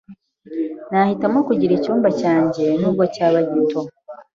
Nahitamo kugira icyumba cyanjye, nubwo cyaba gito.